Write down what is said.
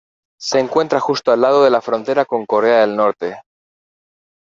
Se encuentra justo al lado de la frontera con Corea del Norte.